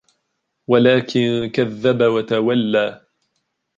وَلَكِن كَذَّبَ وَتَوَلَّى